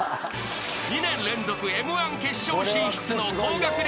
［２年連続Ｍ−１決勝進出の高学歴